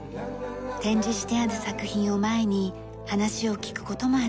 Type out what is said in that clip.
展示してある作品を前に話を聞く事もあります。